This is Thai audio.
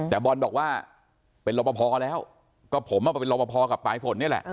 แต่บอลบอกว่าเป็นรอปภแล้วก็ผมมาเป็นรอปภกับปลายฝนนี่แหละ